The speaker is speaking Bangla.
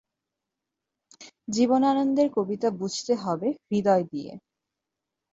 জীবনানন্দের কবিতা বুঝতে হবে হৃদয় দিয়ে।